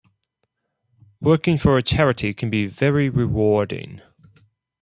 Working for a charity can be very rewarding.